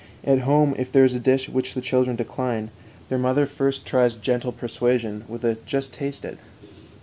At home if there is a dish which the children decline, their mother first tries gentle persuasion, with a "Just taste it."